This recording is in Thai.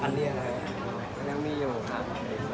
อันนี้นะครับ